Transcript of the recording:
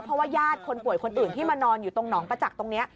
เพราะว่าญาติคนป่วยคนอื่นที่มานอนอยู่ตรงหนองประจักษ์ตรงนี้